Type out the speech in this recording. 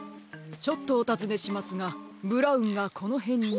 ちょっとおたずねしますがブラウンがこのへんに。